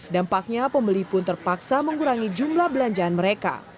dampaknya pembeli pun terpaksa mengurangi jumlah belanjaan mereka